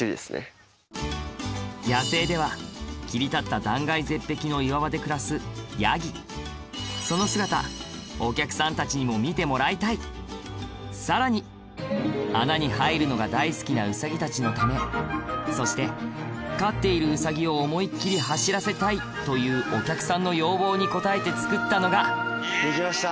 野生では切り立った断崖絶壁の見てもらいたいさらに穴に入るのが大好きなウサギたちのためそして飼っているウサギを思いっ切り走らせたいというお客さんの要望に応えて作ったのができました。